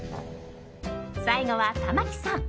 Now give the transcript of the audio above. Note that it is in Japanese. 最後は玉木さん。